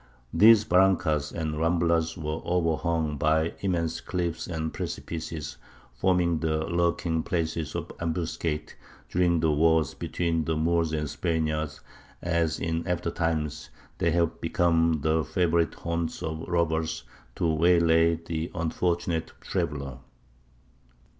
These barrancas and ramblas were overhung by immense cliffs and precipices, forming the lurking places of ambuscades during the wars between the Moors and Spaniards, as in after times they have become the favourite haunts of robbers to waylay the unfortunate traveller.